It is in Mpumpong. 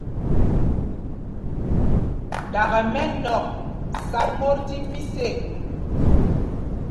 Ɗakɛ mɛnɔ̂k sá mot tí mis ê.